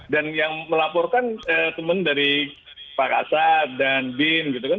dan yang melaporkan teman dari pak asad dan bin gitu kan